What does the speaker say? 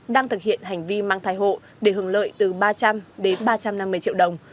đang thực hiện hành vi mang thai hộ để hưởng lợi từ ba trăm linh đến ba trăm năm mươi triệu đồng